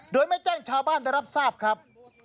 โดยไม่แจ้งชาวบ้านได้รับทราบครับ